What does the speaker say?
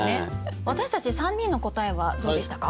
私たち３人の答えはどうでしたか？